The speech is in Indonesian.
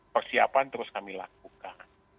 persiapan terus kami lakukan